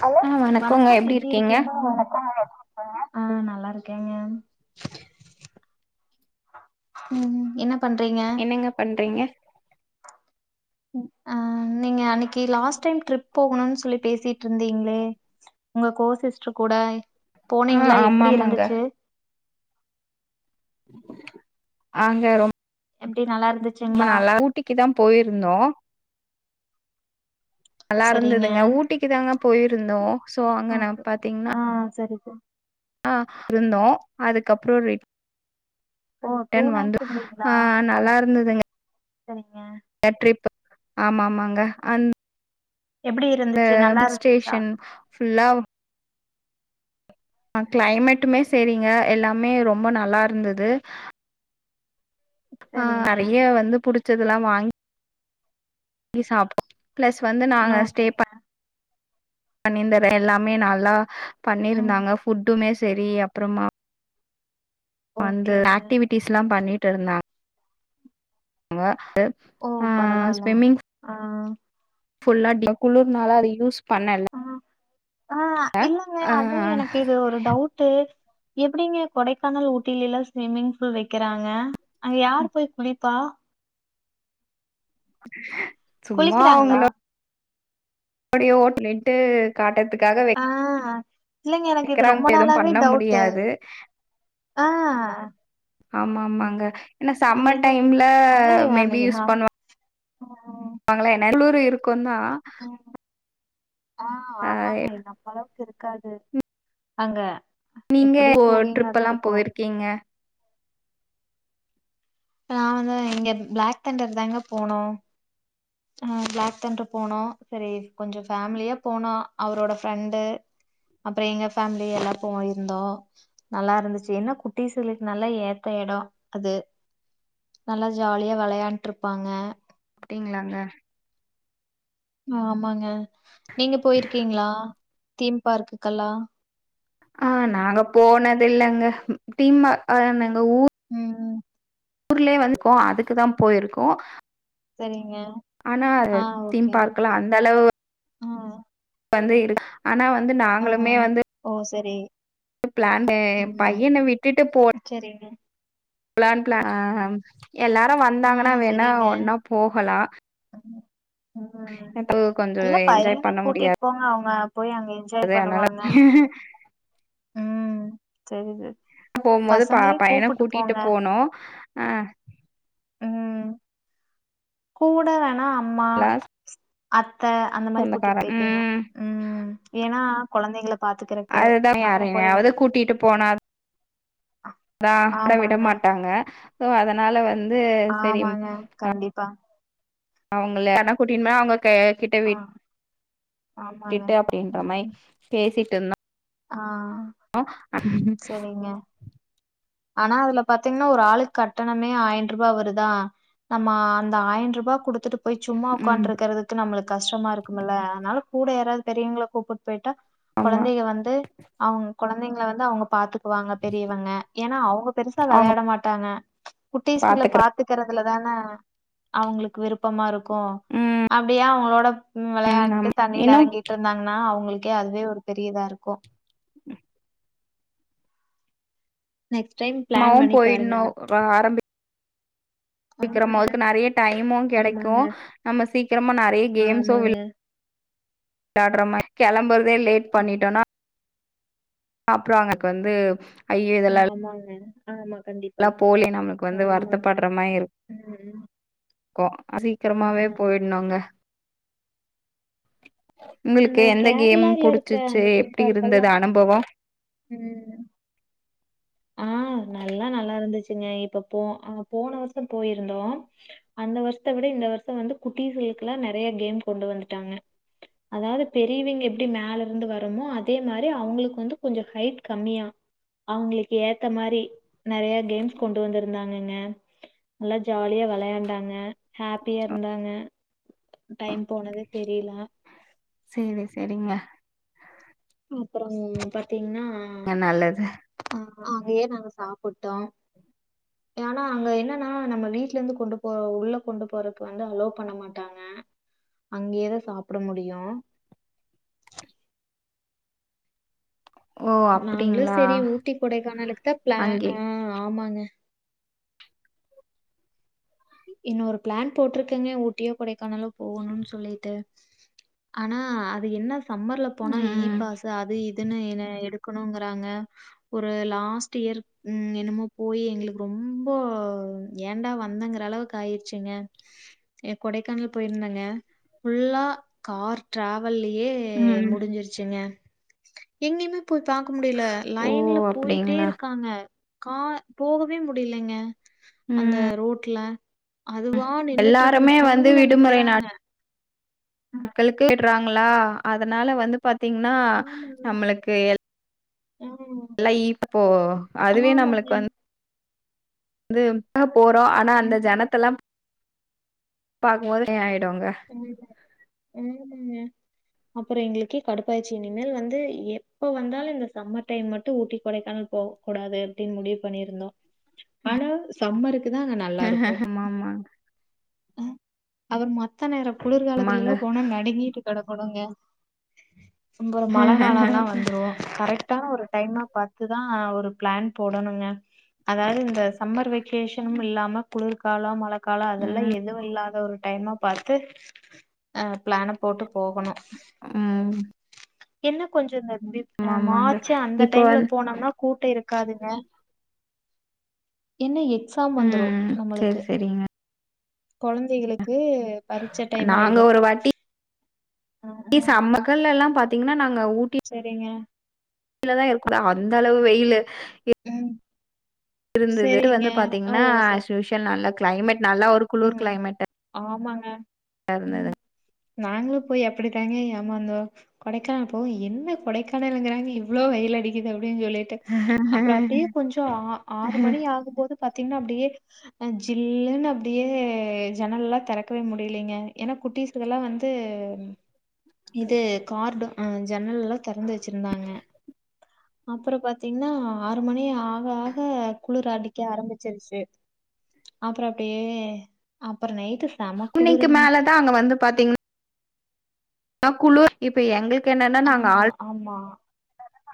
Hello வணக்கம் எப்டி இருக்கீங்க ஆ நல்லா இருக்கேங்க ம் ம் என்னப் என்னங்க பண்றீங்க அ நீங்க அன்னைக்கி லாஸ்ட் டைம் ட்ரிப் போகணுனு சொல்லி பேசிட் இருந்தீங்ளே உங்க கோசிஸ்டர் கூட ஆ போனீங்ளா ஆமா எப்டி ஆமாங்க இருந்துச்சு அங்க ரொம் எப்டி நல்லா இருந்துச் ஆமா நல்லா ஊட்டிக்குதா போயிருந்தோ நல்லா சரிங்க இருந்துதுங்க ஊட்டிக்கு தாங்க போயிருந்தோ ஸோ அங்க நா ஓகே பாத்திங்னா ஆ சரி சரி ஆ இருந்தோ அதுக்கப்ரோ ரெட் ஓ டூ டன் வந்து நைட்ஸ் இருந்தீங்களா ஆ நல்லா பரவால இருந்துதுங்க சரிங்க அ ட்ரிப் ஆமா ஆமாங்க அந் எப்டி இருந் ந்த ஹில் ஸ்டேஷன் ஃபுல்லா அ கிளைமேட்டுமே சரிங்க எல்லாமே ரொம்ப நல்லா இருந்தது ஆ சரிங்க நெறைய வந்து புடிசத்லா வாங் ங்கி சாப்ட் பிளஸ் வந்து நாங்க ஸ்டே ஓகேங்க ப பண்ணிந்தர எல்லாமே நல்லா ம் பண்ணியிருந்தாங்க ஃபுட்டுமே சரி அப்றமா வந்து ஓகேங்க ஆக்டிவிட்டிஸ் லா பண்ணிட்டு இருந்தாங் ங்க அப் ஓ பரவாலங்க ஆ ஃபுல்லா டிங் குளுர்னால அத யூஸ் பண்ணல ஆ ஆ இல்லங்க ஆ அதா எனகு இது ஒரு டவுட்டு எப்டிங்க கொடைக்கானல் ஊட்டில லா ஸ்விம்மிங் ஃபூல் வக்கிறாங்க அங்க யார் போயி குளிப்பா சும்மா குளிக்கிறாங்களா உங்ள அப்டியே ஓ லிட்டு காட்றத்காக அ இல்லைங்க எனக்கு இது ரொம்ப எதுவு நாளாவே பண்ண டவுடு முடியாது அ ஆமா ஆமாங்க இன்ன சம்மர் என்ன டைம்ல மேபி யூஸ் பண்ணுவா அ ஆ வாங்கலா என்ன குளுர் இருக்குந்தா அ ஆ அ ஆமாங்க நம்ம அளவுக்கு இருக்காது அங்க எப்டி கூலிங்கதா இருக்கு கீங்க நா வந்து இங்க ப்ளாக் தண்டர் தாங்க போனோ ஆ பிளாக் தண்டர் போனோ செரி கொஞ்சோ ஃபேமிலியா போனா அவரோட ஃப்ரெண்டு அப்றோ எங்க ஃபேமிலி எல்லா போயிருந்தோ நல்லா இருந்துச்சு என்னா குட்டிசிகளுக்கு நல்லா ஏத்த எடொ அது நல்லா ஜாலியா வெளாண்டு இருபாங்க அப்டிங்ளாங்க ஆமாங்க நீங்க போயிருக்கீங்ளா தீம் பார்க்குகெல்லா ஆ நாங்க போனது இல்லங்க ம் தீம்ம நாங்க ஊர் ம் ஊர்லேயே [unintelligible] அதுக்குதா போயிருக்கோ செரிங்க ஆனா தீம் பார்க்கெல்லா அந்த அளவு ஆ வந்து இரு ஆனா வந்து ஆ நாங்களுமே வந்து ஓ செரி ப்ளானு பையன விட்டுட்டு போ செரிங்க பிளான் பிள எல்லாரு ஆ வந்தாங்கன்னா வேணா சரிங்க ஒன்னா போகலா ம் கொஞ்சோ இல்ல என்ஜாய் பையனே பண்ண கூட்டிட்டு முடியாது போன அவுங்க போயி அங்க எ [unintelligible] ம் சரிது போம் போது ப பையன கூட்டிட்டு போனு ஆ ம் கூட வேணா அம்மா எல்லா அத்த அந்த மாரி சொந்தக்கார கூட்டிட்டு போய்கீங்க ம் ம் ஏன்னா கொழந்தைங்கள பாத்து அதுதா யாரையாவது கூட்டிட்டு போனா ஆ ட ஆட விடமாட்டாங்க சோ அதனால வந்து சரி ஆமாங்க கண்டிப்பா அவுங்கள [unintelligible] போயு அவுங்க க கிட்ட ஆ விட் ஆமாங்க விட்டுட்டு அப்டின்ற மாரி ம் பேசிட்டு இருந் ஆ சரிங்க ஆனா அதுல பாத்தீங்கன்னா ஒரு ஆளுக்கு கட்டணமே ஆயிட் ரூபா வருதா நம்ம அந்த ஆயிட் ரூபா குடுத்துட்டு போய் சும்மா ம் உக்கான்ட்டு இருக்குறதுக் கு நம்மளுக்கு கஷ்டமா இருக்குமல அதனால கூட யாராவது பெரியவங்கள கூப்புட்டு போயிட்டா ஆமா கொழந்தைக வந் அவுங்க கொழந்தைங்கல வந்து அவுங்க பாத்து வாங்க பெரியவங்க ஏன்னா அவங்க பெருசா அவங்க வெளையாட மாட்டாங்க குட்டீஸ்கள பாத்துக்கற பாத்து த்துக்கிறதுல தான அவங்களுக்கு விருப்பமா இருக்கு அப்டியே அவங்களோட ம் வெளாண்டுட்டு ஆமா தண்ணில இன்னு எறங்கிட்டு இருந்தாங்கன்னா அவங்களுக்கே அதுவே ஒரு பெரிய இதா இருக்கு நெக்ஸ்ட் டைம் மாவு பிளான் பண்ணி போயிட்ணு பாருங்க [unintelligible] நெறைய டைமு கெடைக்கு ஆமாங்க நம்ம சீக்கிரமா நெறைய கேம்சு விளா ஆமாங்க விளாட்றமா கெளம்பறதே லேட் பண்ணிட்டோனா அப்றோ [unintelligible] வந்து ஆமாங்க ஆமா கண்டிப்பா எல்லா போலி நம்மளுக்கு வந்து வருத்தப்பட்ற மாரி இருக் ம் ம் கோ அ ஆ சீக்ரமாவே போயிட்னுங்க அந்த உங்ளுக்கு எந்த கேம் கேரளால இருக்கிற புடிச்சிச்சி அந்த தீம் எப்டி பார்க்கெல்லா இருந்தது அனும்பவோ ம் ஆ நல்லா நல்லா இருந்துச்சுங்க இப்ப போ அ போன வருசோ போயிருந்தோ அந்த வர்ஷ்த்த விட இந்த வர்சோ வந்து குட்டீச்களுக்குல்லா நறய கேம் கொண்டு வந்துட்டாங்க அதாவ்து பெரிவிய்ங்க எப்டி மேல இருந்து வரமோ அதே மாரி அவுங்களுக்கு வந்து கொஞ்சொ ஹைட் கம்மியா அவுங்ளுக்கு ஏத்த மாரி நெறைய கேம்ஸ் கொண்டு வந்திருந்தாங்கங்க நல்லா ஜாலியா வெளையாண்டாங்க ஹாப்பியா இருந்தாங்க டைம் போனதே தெரில சேரி செரிங்க அப்புறோ பாத்தீங்ன்னா நல்லது ஆ அங்கயே நாங்க சாப்புட்டோ ஏனா அங்க என்னென்னா நம்ம வீட்லெந்து கொண்டு போ உள்ள கொண்டு போறக்கு வந்து அலோ பண்ண மாட்டாங்க அங்கேதா சாப்புட முடியு ஓ நாங்களு அப்டிங்களா செரி ஊட்டி கொடைக்கானலுக்கு தா ப்ளா அங்கே ஆ ஆமாங்க இன்னோரு ப்ளான் போட்ருக்கங்க ஊட்டியோ கொடைக்கானலோ போகணுன் சொல்லிட்டு ஆனா அது என்ன சம்மர்ல போனா ஈ ம் பாஸு அது இ துனு இன்னு எடுக்கணுங்குறாங்க ஒரு லாஸ்ட் இயர் ம் என்னமோ போய் எங்களுக்கு ரொம்போ ஏண்டா வந்தங்க ற அளவுக்கு ஆயிர்ச்சுங்க எ கொடைக்கானல் போயிருந்தங்க ஃபுல்லா கார் ட்ராவெல்லியே எ ம் முடிஞ்சிருச்சுங்க எங்கியுமே போய் பாக்க முடியல ஓ லைன்ல போயிட்டே அப்டிங்களா இருக்காங்க கா போகவே முடிலைங்க ம் அந்த ரோட்ல அதுவா நின்னுட்டுருக்குது எல்லாருமே வந்து க்யூல நிக்கிறாங்க க்களுக்கு கேட்டுறாங்களா அதனால வந்து பாத்தீங்கன்னா ஆமாங்க. நம்மளுக்கு எல் ஆ, லை இப்போ அதுவே ஆமாங்க. நம்பளுக்கு வந் து போறோ ஆனா அந்த ம். ஜனத்தல்லா பாக்குமோது ஹ ஆயிடுங்க [unintelligible] ஆமாங்க அப்புறோ எங்களுக்கு கடுப்பாய்ர்ச்சு இனிமேல் வந்து எப்ப வந்தாலு இந்த சம்மர் டைம் மட்டு ஊட்டி கொடைக்கானல் போக கூடாது அப்டின் முடிவு பண்ணிருந்தோ ஆனா சம்மருக்கு தா அங்க நல்லா இருக்கு மாமாங் அபர் மத்த நேர குளிர்காலத்துல் ஆமாங்க எல்லா போனா நடுங்கிட்டு கெடக்கனுங்க அம்பறம் ஒரு மழ காலம்லா வந்துரு கரெக்டான ஒரு டைமா பாத்துதா ஒரு ப்ளான் போடணுங்க அதாவ்து இந்த சம்மர் வெக்கேஷனும் இல்லாம குளிர்காலோ மழக்காலோ அதெல்லா ம் எது எதுவு இல்லாத ஒரு டைமா பாத்து ஆ ப்ளான போட்டு போகணு ம் இன்னு கொஞ்சோ நெறய பேர் அ ஆமாமாங்க மார்ச்சு அந்த இப்போ டைம்ல வந் போனோம்னா கூட்டோ இருக்காதுங்க ஏன்னா எக்ஸாம் வந்துரு ம் செரி நம்மளுக்கு செரிங்க கொழந்தைகளுக்கு பரிச்ச டைம் ஆயிரு ஆ ஏ ஆ சம்மகல்லெல்லா பாத்தீங்கன்னா நாங்க ஊட்டி செரிங்க யில்லதா இருக்குதா அந்த அளவு வெயிலு ம் இருந்தது [inaudible] செரிங்க வந்து ஓ பாத்தீங்ன்னா சரி ஆஸ்யூஷல் நல்ல கிளைமேட் நல்லா ஒரு குளுர் ம் கிளைமேட்டா ஆமாங்க இருந்தது ம் நாங்களு போய் அப்டித்தாங்க ஏமாந்தோ கொடைக்கானல் போயி என்ன கொடைக்கானலங்கிறாங்க இவ்ளோ வெயில் அடிக்குது அப்டின் சொல்லி ட்டு அப்றோ அப்டியே கொஞ்சோ ஆ ஆறு மணி ஆகும்போது பாத்தீங்ன்னா அப்டியே அ ஜில்லுன்னு அப்டியே ஜன்னல்லா தெறக்கவே முடியலைங்க ஏனா குட்டீஸ்கள்ல வந்து இது கார்டோ ஆ ஜன்னல்லா தெறந்து வெச்சிருந்தாங்க அப்றோ பாத்தீங்ன்னா ஆறு மணி ஆக ஆக குளிர் அடிக்க ஆரம்பிச்சிருச்சு அப்றோ அப்டியே அப்றோ நைட்டு செம இன்னைக்கு குளிருங்க மேல தா அங்க வந்து பாத்தீங் னா குளுர் இப்ப எங்களுக்கு என்னன்னா ஆ நாங்க ஆல் ஆமா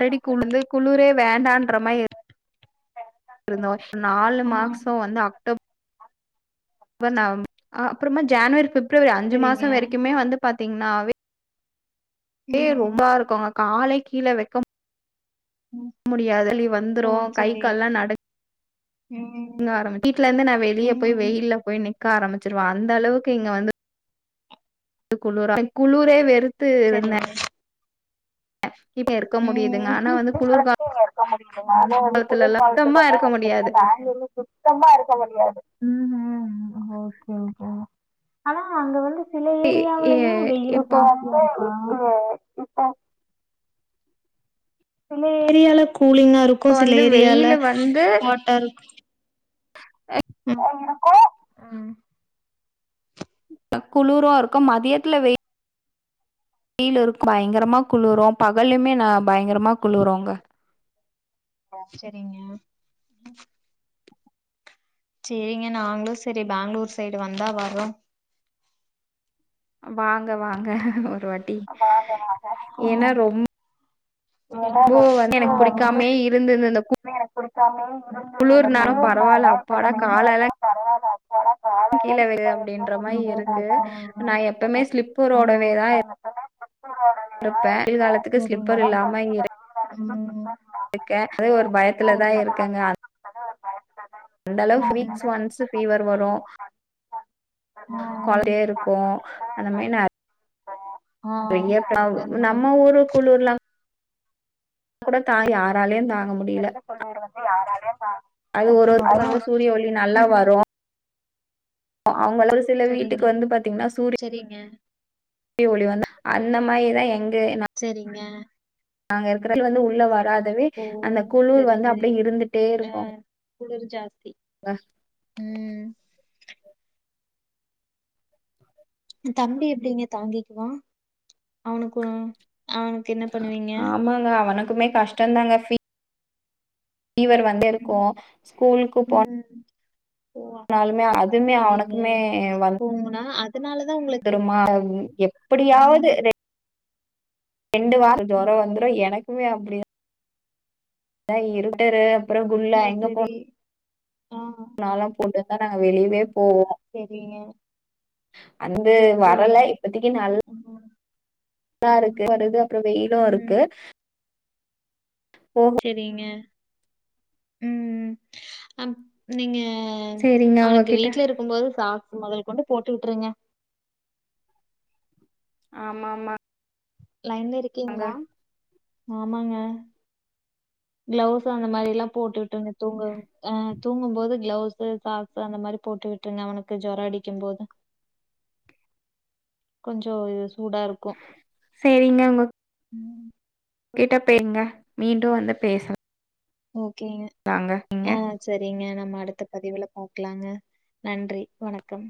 ரெடி குளுந்து குளுரே வேண்டான்ற மாரி இருந்தோ நாலு ஆ மாக்சோ வந்து அக்டோ பர் நவம் [inaudible] அ அப்றமா ஜேன்வரி பிப்ரவரி அஞ்சு சரிங்க மாசோ வரைக்குமே வந்து பாத்தீங்ன்னா வே ம் ரொம்ப [inaudible] இருக்குங்க காலே கீழ வெக்க ம் முடியாது வலி ஓ வந்துரு கை சரி கால்லா நடு ம் இங்க ஆரம்பி [inaudible] வீட்ல இருந்துதே நா வெளிய போய் ம் வெயில்ல போய் நிக் க ஆரம்பிச்சிருவா அந்த அளவுக்கு இங்க வந்து [inaudible] குளுர [inaudible] குளுரே வெறு த்து இருந்தே சரிங்க இப்ப இருக்க முடியுதுங்க ஆனா வந்து குளிர் [unintelligible] இருக்க முடியிமா அதே வந்து குளிர் காலத்துலல்லா சுத்தமா காலத்துல எல்லா இருக்க வந்து முடியாது இருந்தா [unintelligible] ம் ம் ஓகே ஓகேங்க ஆனா அங்க வந்து சில இ ஏரியாவுலையு வெயில் இப்போ [unintelligible] சில ஏரியால கூலிங்கா இருக்கு இப்போ சில வந்து ஏரியால வெயிலு ஹாட்டா அ என்னக்கா குளுரு இருக்கு மதியத்தில வெ யில் இருக்கு பயங்கரமா குளுரு பகல்லையுமே நா பயங்கரமா குளுரு அங்க ஓ செரிங்க சேரிங்க நாங்களு செரி பேங்ளூர் சைடு வந்தா வர்றோ வாங்க வாங்க ஒருவாட் ம் [unintelligible] வந்து எனக்கு சரிங்க புடிக்காமே இருந்தது இந்த [unintelligible] எனக்கு புடிக்காமே இருந்தது இந்த குளிர்னாலு பரவால்ல குளிர்னால இப்ப இந்த அப்பாடா வெயிலு காலெல்லா வந்தது பரவால்ல அப்பாடா காலாலா கீழ விடு வைக்க அப்டின்ற மாரி முடியுது இருக்கு நல்லா நா எப்வுமே இருக்கு ஸ்லிப்பரோடவே தா இருப்பே குளிர் காலத்துக்கு ஸ்லிப்பர் அப்படின்ற மாரி இல்லாம இங்க இரு [inaudible] க்கே அதே ஒரு பய [inaudible] அந்த அளவுக்கு ஃப்ரீக்ஸ் அதனால ஒன்ஸ் ஃபீவர் வரு [unintelligible] இருக்கு வீட்ல கண்டிப்பா அந்த ட்ரை மாரி நெ பண்ணி ஆ பள்ளிகளுக்கும் படிக்கிறேன். ஆ றையா அதுவே நான் சரி ரொம்ப [inaudible] சரிங்க நம்ம ஊரு குளுர்லா கூடத் [inaudible] யாராலயு தாங்க முடிய்ல சொல்லி [unintelligible] யாராலயும் தா அது ஒருவருக்கு வந்து சூரிய ஒளி நல்லா வரு அவங்கள சில வீட்டுக்கு வந்து பாத்தீங்கன்னா சூரிய செரிங்க ஒளி வந்தா அந்த மாரிதா எங்க நா செரிங்க நாங்க இருக்குற ஒளி வந்து உள்ள வராது வே ஓ அந்த குளுர் சரி வந்து சரி அப்டியே இருந்துட்டே ஆ இருக்கு குளிர் ஜாஸ்தி வ ம் தம்பி எப்டிங்க தாங்கிக்குவா அவனுக்கு அவனுக்கு என்ன பண்ணுவீங்க ஆமாங்க அவனுக்குமே கஷ் டந்தாங்க ஃபீ ஃபீவர் ம் வந்திருக்கு ஸ்கூலுக்கு போ ம் ஓ னாலுமே அதுமே சரிங்க அவனுக்குமே போங்கனா அதனாலதான் உங்களுக்கு வந்துருமா எப் ஆ டியாவது ரெண்டு வாரோ ஜொரோ ம். வந்துரு எனக்குமே அப்டிதா ஏ இருட்டரு அப்புறம் குல்லா ஓ செரி ஆ அதெல்லா போட்டுதா நாங்க வெளியவே போவோ செரிங்க அந்து வரல இப்பதிக்கு நல்ல ம் குளுரா ம் இருக்கு அடுத்து அப்பறோ வெயிலு இருக்கு ம் போகும் செரிங்க ம் அப் நீங்க ஆ சரிங்க அவனுக்கு உங்ககிட்ட வீட்ல இருக்கும்போது சாக்ஸ் மொதல் கொண்டு போட்டு விட்டுருங்க ஆமா ஆமா லைன்ல இருக்கீங்களா ஆமாங்க கிளவுஸ் அந்த மாரில்லா போட்டு விட்டுருங்க தூங்க ஆ தூங்கும் போது கிளவுஸ்சு சாக் ஸ் அந்த மாரி போட்டுவிட்டுருங்க அவனுக்கு ஜொரோ அடிக்கும் போது கொஞ்சோ இது சூடா இருக்கு ம் கிட்ட பேங்க மீண்டு வந்து பேசலா ஓகேங்க ஆ சரிங்க நம்ம அடுத்த பதிவுல பாக்கலாங்க நன்றி வணக்கம்